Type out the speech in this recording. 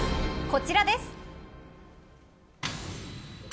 こちらです。